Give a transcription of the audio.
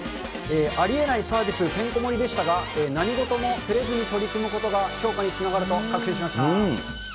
ありえないサービスてんこ盛りでしたが、何事もてれずに取り組むことが評価につながると確信しました。